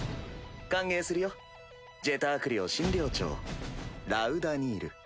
歓迎するよジェターク寮新寮長ラウダ・ニール。